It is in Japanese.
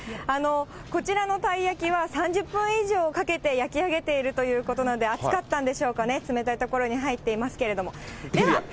こちらのたいやきは３０分以上かけて焼き上げているということなんで、あつかったんでしょうかね、冷たい所に入っていますけれども。